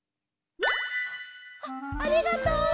あっありがとう！